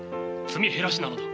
積み減らしなのだ。